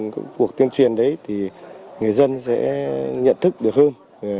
công cuộc tuyên truyền đấy thì người dân sẽ nhận thức được hơn